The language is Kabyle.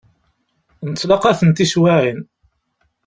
Nettlaqa-ten tiswiεin.